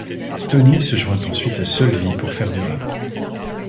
Stoney se joint ensuite à Sölvi pour faire du rap.